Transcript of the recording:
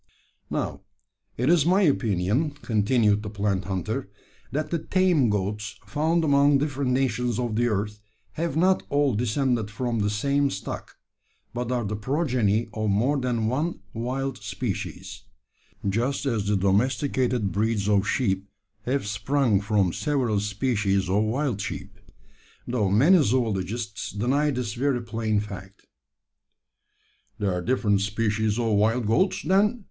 "Now, it is my opinion," continued the plant hunter, "that the tame goats found among different nations of the earth have not all descended from the same stock; but are the progeny of more than one wild species just as the domesticated breeds of sheep have sprung from several species of wild sheep; though many zoologists deny this very plain fact." "There are different species of wild goats, then?"